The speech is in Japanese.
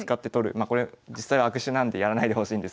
まあこれ実際は悪手なんでやらないでほしいんですけど。